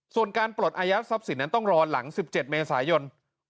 ส่วนการปลดอายัดทรัพย์สินนั้นต้องรอหลัง๑๗เมษายน